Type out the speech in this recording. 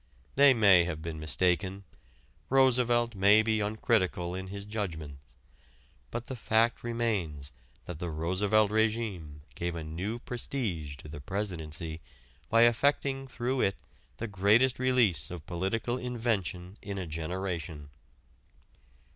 They may have been mistaken: Roosevelt may be uncritical in his judgments. But the fact remains that the Roosevelt régime gave a new prestige to the Presidency by effecting through it the greatest release of political invention in a generation.